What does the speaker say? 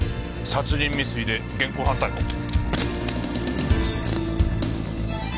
殺人未遂で現行犯逮捕。